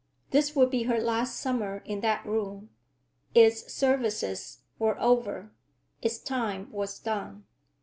This would be her last summer in that room. Its services were over; its time was done.